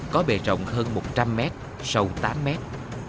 có bề rộng hơn một trăm linh mét sâu tám mét